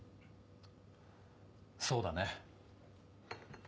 そうだね。